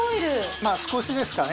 まあ少しですかね。